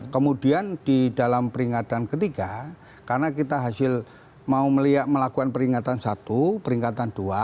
kemudian di dalam peringatan ketiga karena kita hasil mau melakukan peringatan satu peringatan dua